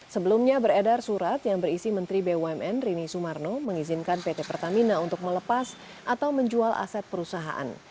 sebelumnya beredar surat yang berisi menteri bumn rini sumarno mengizinkan pt pertamina untuk melepas atau menjual aset perusahaan